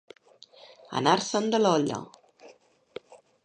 Anar-se'n de l'olla.